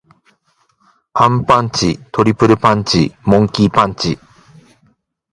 アンパンチ。トリプルパンチ。モンキー・パンチ。